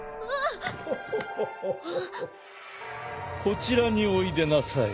こちらにおいでなさい。